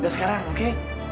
udah sekarang oke